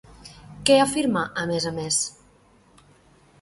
Què afirma a més a més?